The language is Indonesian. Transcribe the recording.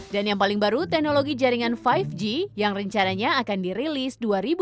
dan yang paling baru teknologi jaringan lima g yang rencananya akan dirilis dua ribu dua puluh